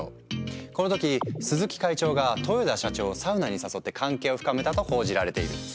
この時鈴木会長が豊田社長をサウナに誘って関係を深めたと報じられている。